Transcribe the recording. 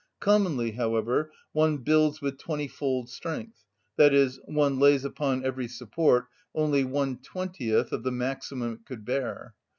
Commonly, however, one builds with twentyfold strength, i.e., one lays upon every support only 1/20th of the maximum it could bear.